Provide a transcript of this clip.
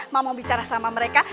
mau bicara sama mereka